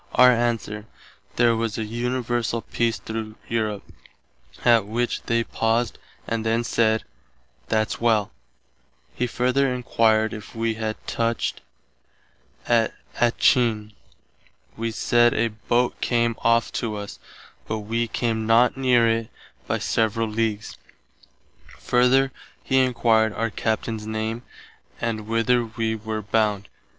Our answer, there was an universall peace through Europe, att which they paused and then said, "That's well." He further enquired if had touched at Attcheen. Wee said a boat came off to us, but [wee] came not near itt by several leagues. Further he enquired our Captain's name and whither wee were bound.